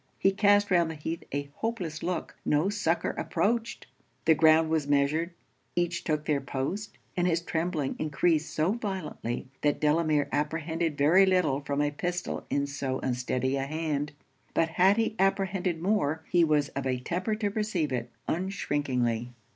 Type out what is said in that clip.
He cast round the heath a hopeless look no succour approached! The ground was measured; each took their post; and his trembling encreased so violently, that Delamere apprehended very little from a pistol in so unsteady a hand. But had he apprehended more, he was of a temper to receive it, unshrinkingly.